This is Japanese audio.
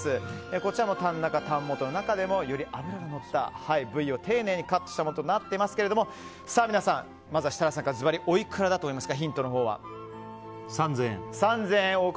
こちらもタン中、タン元の中でもより脂ののった部位を丁寧にカットしたものとなっていますけれどもまずは設楽さんから３０００円。